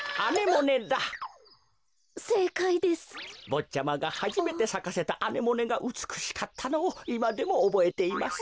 ぼっちゃまがはじめてさかせたアネモネがうつくしかったのをいまでもおぼえています。